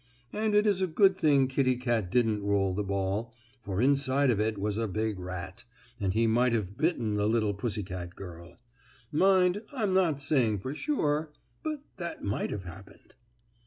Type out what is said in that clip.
And it is a good thing Kittie Kat didn't roll the ball, for inside of it was a big rat, and he might have bitten the little pussy girl. Mind, I'm not saying for sure, but that might have happened.